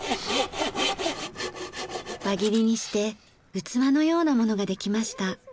輪切りにして器のようなものができました。